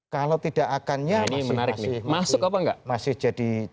kalau tidak akannya masih jadi